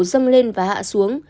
dâm lên và hạ xuống